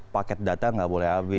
paket data nggak boleh ab